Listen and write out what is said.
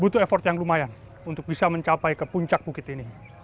butuh effort yang lumayan untuk bisa mencapai ke puncak bukit ini